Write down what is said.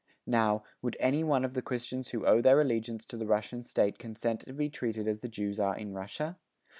Now, would any one of the Christians who owe their allegiance to the Russian state consent to be treated as the Jews are in Russia?